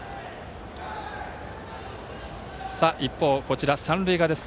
一方、三塁側です。